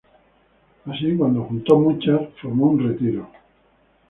Así, cuando junto muchas, formó un retiro.